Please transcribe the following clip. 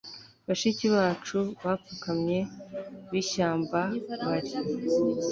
Bashiki bacu bapfukamye bishyamba bari